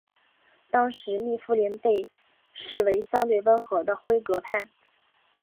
当时密夫林被视为相对温和的辉格派。